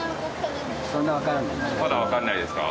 まだわからないですか？